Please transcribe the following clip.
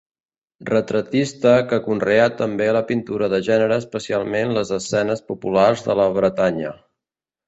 Retratista que conreà també la pintura de gènere especialment les escenes populars de la Bretanya.